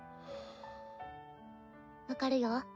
分かるよ。